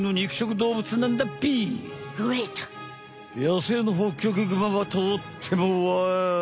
野生のホッキョクグマはとってもワイルド。